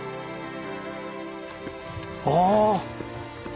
ああ！